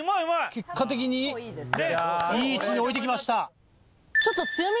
結果的にいい位置に置いてきました。